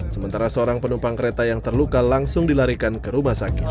sementara seorang penumpang kereta yang terluka langsung dilarikan ke rumah sakit